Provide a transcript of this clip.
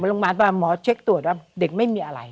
ไปส่งไปโรงพยาบาลหมอเช็คตรวจว่าเด็กไม่มีอะไร